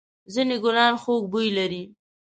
ځېنې گلان خوږ بوی لري.